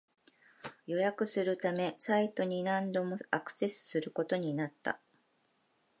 予約するためサイトに何度もアクセスすることになった